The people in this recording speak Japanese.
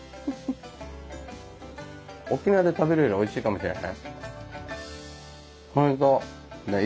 沖縄で食べるよりおいしいかもしれない。